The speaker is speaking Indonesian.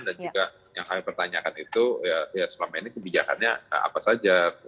dan juga yang kami pertanyakan itu ya selama ini kebijakannya apa saja